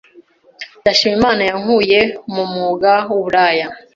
Ndashima Imana yankuye mu mwuga w’uburaya